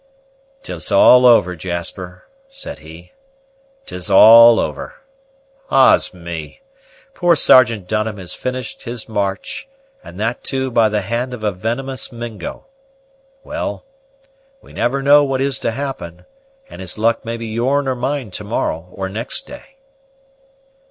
"'Tis all over, Jasper," said he, "'tis all over. Ah's me! Poor Sergeant Dunham has finished his march, and that, too, by the hand of a venomous Mingo. Well, we never know what is to happen, and his luck may be yourn or mine to morrow or next day!"